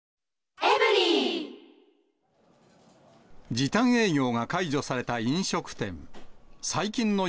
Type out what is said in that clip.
時短営業が解除された飲食店。